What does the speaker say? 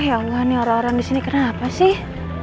ya tuhan ini orang orang di sini kenapa sih